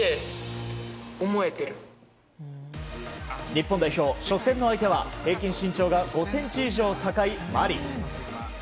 日本代表、初戦の相手は平均身長が５ｃｍ以上高い、マリ。